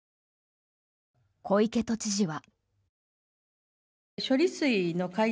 小池都知事は。